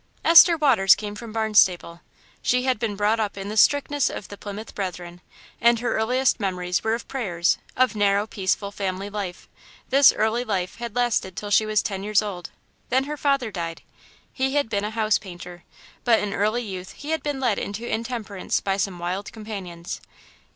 Esther Waters came from Barnstaple. She had been brought up in the strictness of the Plymouth Brethren, and her earliest memories were of prayers, of narrow, peaceful family life. This early life had lasted till she was ten years old. Then her father died. He had been a house painter, but in early youth he had been led into intemperance by some wild companions.